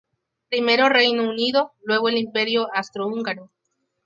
Primero Reino Unido, luego el Imperio austro-húngaro.